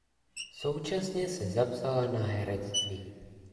Současně se zapsala na herectví.